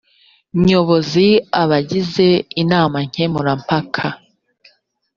nyobozi abagize inama nkemura mpaka